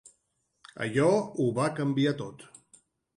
Allò ho va canviar tot.